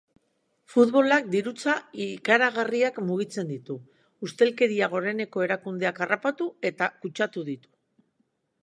Futbolak dirutza ikaragarriak mugitzen ditu, ustelkeriak goreneko erakundeak harrapatu eta kutsatu ditu.